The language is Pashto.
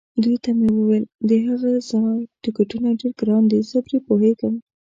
دوی ته مې وویل: د هغه ځای ټکټونه ډېر ګران دي، زه پرې پوهېږم.